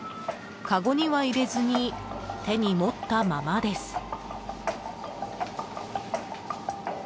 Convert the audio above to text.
かごには入れずに手に持ったままです。